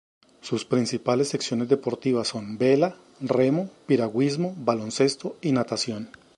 Sus principales secciones deportivas son vela, remo, piragüismo, baloncesto y natación.